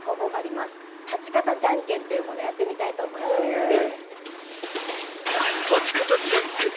立ち方じゃんけんというものをやってみたいと思いますので。